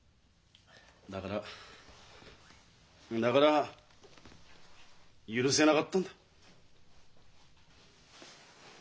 だからんだから許せなかったんだ。